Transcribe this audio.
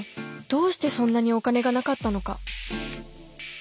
どうしてそんなにお金がなかったのか？